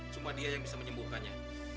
cuma dia yang bisa menyembuhkannya